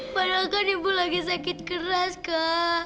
padahal kan ibu lagi sakit keras kak